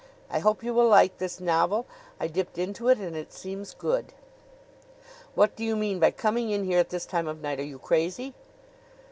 I hope you will like this novel. I dipped into it and it seems good." "What do you mean by coming in here at this time of night? Are you crazy?"